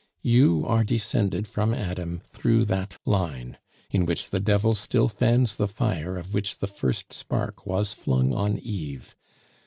You are descended from Adam through that line, in which the devil still fans the fire of which the first spark was flung on Eve.